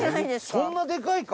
そんなでかいか？